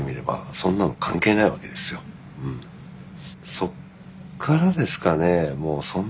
そっからですかね